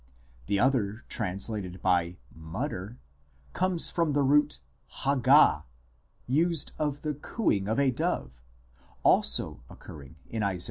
The other, translated by " mutter," comes from the root hagah, used of the " cooing " of a dove (also occurring in Isa.